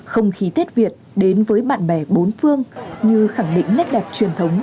không khí tết việt đến với bạn bè bốn phương như khẳng định nét đẹp truyền thống